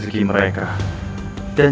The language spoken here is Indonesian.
dan jauhkanlah mereka dari kesukaran